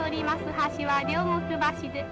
橋は両国橋です。